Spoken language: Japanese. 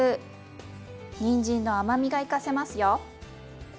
にんじんの甘みが生かせますよ。